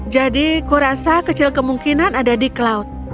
jadi kurasa kecil kemungkinan ada di cloud